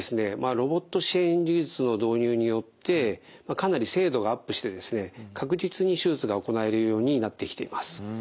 ロボット支援技術の導入によってかなり精度がアップしてですね確実に手術が行えるようになってきています。